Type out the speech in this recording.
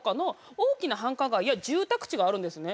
大きな繁華街や住宅地があるんですね。